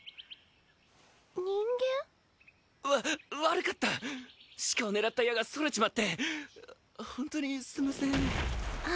人間？わ悪かったシカを狙った矢がそれちまって本当にすんませんあ